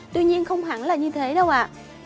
tuy nhiên không hẳn là như thế đâu ạ